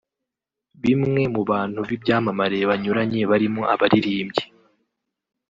Bimwe mu bantu b’ibyamamare banyuranye barimo abaririmbyi